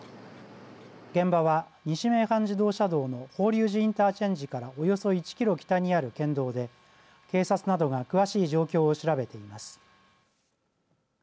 現場は、西名阪自動車道の法隆寺インターチェンジからおよそ１キロ北にある県道で警察などが詳しい状況を調べています。